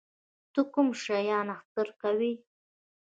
ته کوم شیان اختر کوې؟